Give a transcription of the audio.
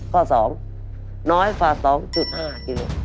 ข้าวสองน้อยกว่า๒๕กิโลกรัม